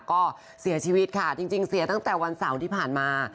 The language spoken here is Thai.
ก็เสียชีวิตค่ะจริงเสียตั้งแต่วันเสาร์ที่ผ่านมา